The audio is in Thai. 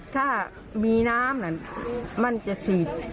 ถ้ามีน้ำมันจะฉีด